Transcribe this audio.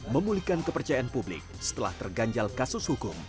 memulihkan kepercayaan publik setelah terganjal kasus hukum